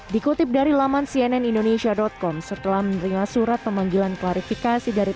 dikutip dari laman cnnindonesia com setelah menerima surat pemanggilan klarifikasi dari